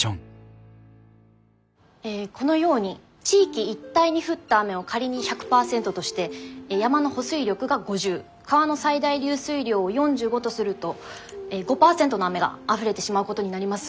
このように地域一帯に降った雨を仮に１００％として山の保水力が５０川の最大流水量を４５とすると５％の雨があふれてしまうことになります。